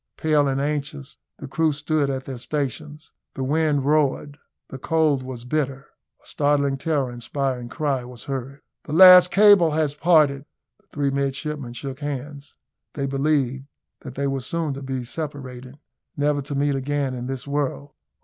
Pale and anxious the crew stood at their stations. The wind roared, the cold was bitter. A startling terror inspiring cry was heard. "The last cable has parted!" The three midshipmen shook hands; they believed that they were soon to be separated, never to meet again in this world.